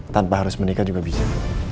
tanpa harus menikah juga bisa